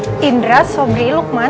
wah indra sobri lukman